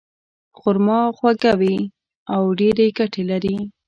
خرما خواږه وي او ډېرې ګټې لري.